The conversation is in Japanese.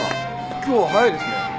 今日は早いですね。